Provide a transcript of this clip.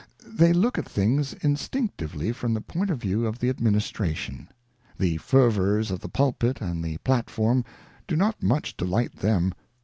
They look at things instinctively from the point of view of the administration. The fervours of the pulpit and the platform do not much delight them.